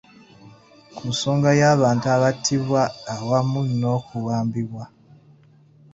Ku nsonga y’abantu abattibwa awamu n’okuwambibwa.